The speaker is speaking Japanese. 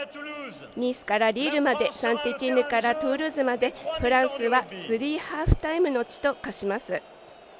ニースからリールまでサンテティエンヌからトゥールーズまでフランスはスリーハーフタイムの地と化します。